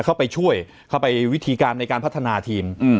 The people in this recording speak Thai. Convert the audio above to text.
เข้าไปช่วยเข้าไปวิธีการในการพัฒนาทีม